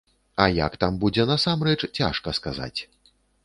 А як там будзе насамрэч, цяжка сказаць.